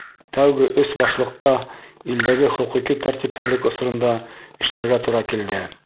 Тәүге өс башлыҡҡа илдәге хоҡуҡи тәртипһеҙлек осоронда эшләргә тура килде.